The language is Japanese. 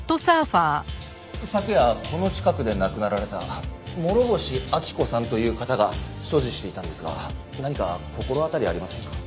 昨夜この近くで亡くなられた諸星秋子さんという方が所持していたんですが何か心当たりありませんか？